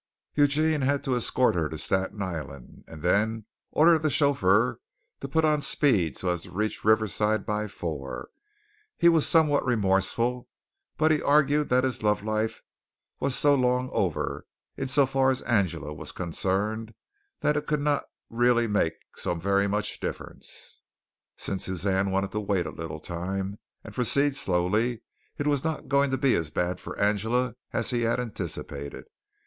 Eugene had to escort her to Staten Island and then order the chauffeur to put on speed so as to reach Riverside by four. He was somewhat remorseful, but he argued that his love life was so long over, in so far as Angela was concerned, that it could not really make so very much difference. Since Suzanne wanted to wait a little time and proceed slowly, it was not going to be as bad for Angela as he had anticipated.